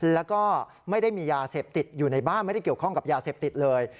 แล้วก็ไม่ได้มียาเสพติดอยู่ในบ้านไม่ได้เกี่ยวข้องกับยาเสพติดเลย